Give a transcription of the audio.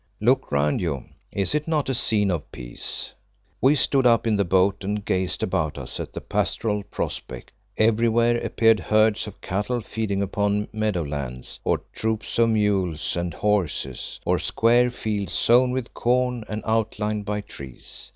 Look round you. Is it not a scene of peace?" We stood up in the boat and gazed about us at the pastoral prospect. Everywhere appeared herds of cattle feeding upon meadow lands, or troops of mules and horses, or square fields sown with corn and outlined by trees.